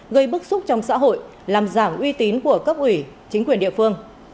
gây bức xúc trong xã hội làm giảm uy tín của cấp ủy chính quyền địa phương